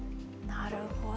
なるほど。